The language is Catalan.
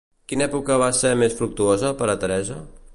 Quina època va ser més fructuosa per a Teresa?